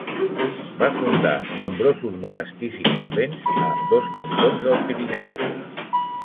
Va fundar nombrosos monestirs i convents a ambdós cantons del Pirineu.